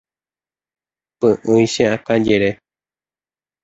Py'ỹi cheakãjere.